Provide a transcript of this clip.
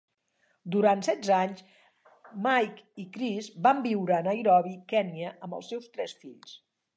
Durant setze anys, Mike i Chris van viure a Nairobi, Kènia, amb els seus tres fills.